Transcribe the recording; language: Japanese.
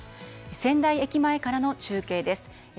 仙台駅前からの中継です。